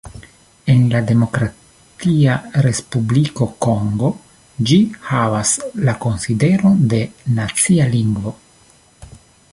En la Demokratia Respubliko Kongo ĝi havas la konsideron de "nacia lingvo".